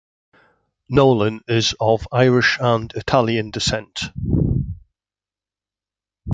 Nolan is of Irish and Italian descent.